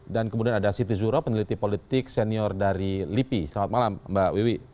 dan kemudian ada siti zuro peneliti politik senior dari lipi selamat malam mbak wiwi